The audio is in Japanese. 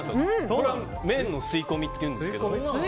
麺の吸い込みっていうんですけど。